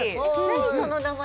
何その名前